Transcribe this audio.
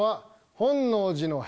本能寺の変